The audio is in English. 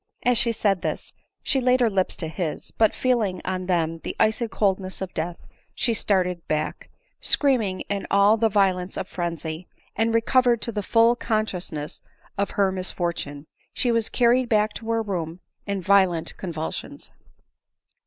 As she said this* she laid her lips to bis ; but, feeling on them the icy cold ness of death, she started back, screaming in all the vio lence of frenzy ; and recovered to the full consciousness of her misfortune, she was carried back to her room in vio lent convulsions.